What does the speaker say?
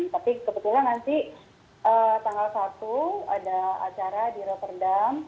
tapi kebetulan nanti tanggal satu ada acara di raperdam